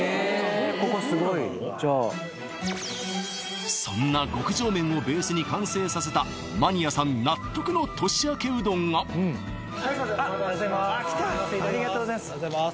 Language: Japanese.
ここすごいじゃあそんな極上麺をベースに完成させたマニアさん納得の年明けうどんがすいません